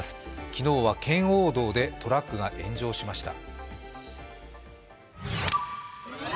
昨日は圏央道でトラックが炎上しました。